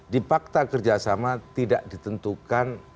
di fakta kerjasama tidak ditentukan